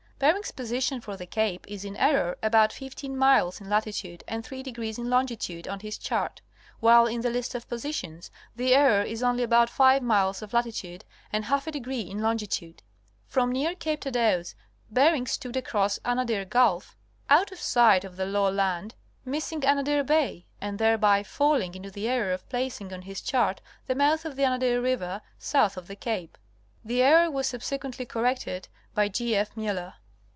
Bering's position for the cape is in error about fifteen miles in latitude and three degrees in longitude on his chart, while in the list of positions, the error is only about five miles of latitude and half a degree in longitude. From near Cape Thaddeus Bering stood across Anadyr Gulf, out of sight of the low land, missing Anadyr Bay, and thereby falling into the error of placing on his chart the mouth of the Anadyr River south of the cape. The error was subsequently corrected by G. F. Miller.